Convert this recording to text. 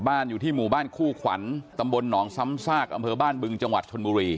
อยู่ที่หมู่บ้านคู่ขวัญตำบลหนองซ้ำซากอำเภอบ้านบึงจังหวัดชนบุรี